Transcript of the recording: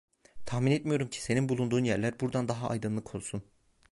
Tahmin etmiyorum ki senin bulunduğun yerler buradan daha aydınlık olsun.